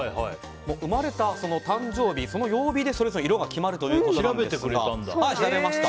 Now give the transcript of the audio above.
生まれた誕生日、その曜日でそれぞれ色が決まるということで調べました。